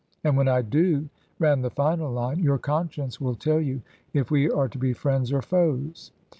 "And when I do," ran the final line, "your conscience will tell you if we are to be friends or foes."